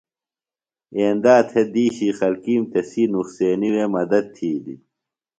ایندا تھےۡ دِیشی خلکِیم تسی نُقصینیۡ وے مدد تِھیلیۡ۔